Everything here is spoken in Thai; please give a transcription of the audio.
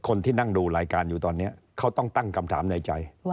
คนที่นั่งดูรายการอยู่ตอนนี้เขาต้องตั้งคำถามในใจ